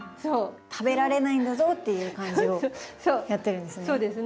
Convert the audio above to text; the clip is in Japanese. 「食べられないんだぞ」っていう感じをやってるんですね。